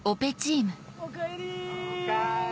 おかえり！